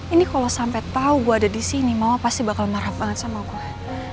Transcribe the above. ini kalo sampe tau gue ada disini mama pasti bakal marah banget sama gue